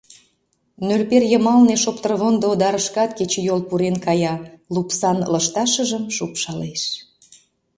Нӧлпер йымалне шоптырвондо одарышкат кечыйол пурен кая, лупсан лышташыжым шупшалеш.